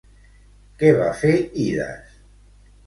Què va fer Idas?